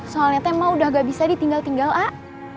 soalnya teh emang udah gak bisa ditinggal tinggal ah